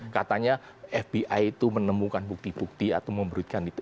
katanya fbi itu menemukan bukti bukti atau memberikan itu